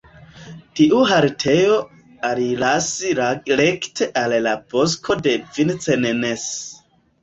Tiu haltejo aliras rekte al la Bosko de Vincennes.